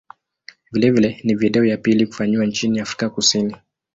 Vilevile ni video ya pili kufanyiwa nchini Afrika Kusini.